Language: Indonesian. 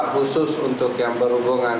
khusus untuk yang berhubungan